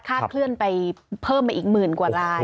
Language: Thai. เคลื่อนไปเพิ่มมาอีกหมื่นกว่าลาย